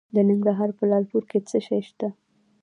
د ننګرهار په لعل پورې کې څه شی شته؟